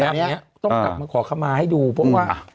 ต้องกลับมาขอเข้ามาให้ดูเพราะว่า